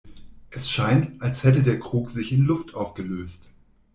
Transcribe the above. Es scheint, als hätte der Krug sich in Luft aufgelöst.